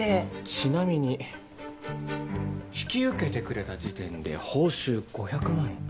ちなみに引き受けてくれた時点で報酬５００万円。